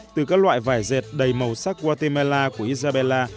từ các loại vải dẹt đầy màu sắc guatemala của isabella